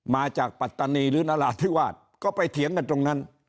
มาจากปัตตานีหรือนราชที่วาดก็ไปเถียงกันตรงนั้น